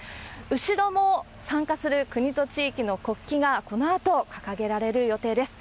後ろも参加する国と地域の国旗がこのあと掲げられる予定です。